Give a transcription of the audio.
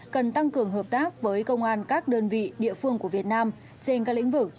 cần tăng cường hợp tác với công an các đơn vị địa phương của việt nam trên các lĩnh vực